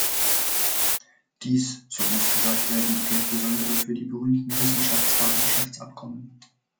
Dies, so muss gesagt werden, gilt besondere für die berühmten Wirtschaftspartnerschaftstabkommen.